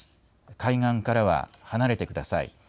海岸からは離れてください。